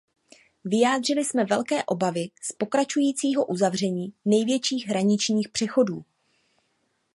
Vyjádřili jsme velké obavy z pokračujícího uzavření největších hraničních přechodů.